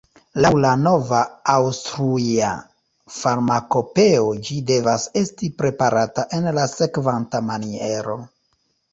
Laŭ la nova Aŭstruja farmakopeo ĝi devas esti preparata en la sekvanta maniero